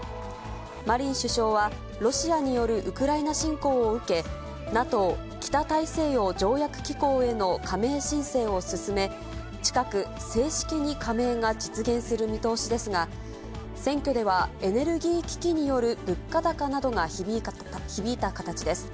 マリン首相は、ロシアによるウクライナ侵攻を受け、ＮＡＴＯ・北大西洋条約機構への加盟申請を進め、近く、正式に加盟が実現する見通しですが、選挙ではエネルギー危機による物価高などが響いた形です。